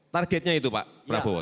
targetnya itu pak prabowo